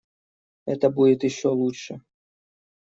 Это будет еще лучше.